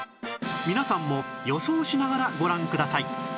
皆さんも予想しながらご覧ください